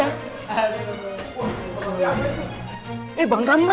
jagain panggang ya